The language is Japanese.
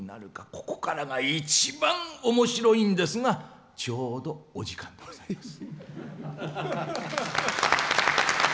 ここからが一番おもしろいんですがちょうど、お時間でございます。